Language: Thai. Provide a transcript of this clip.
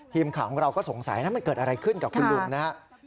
ทีมข่าวของเราก็สงสัยนะมันเกิดอะไรขึ้นกับคุณลุงนะครับ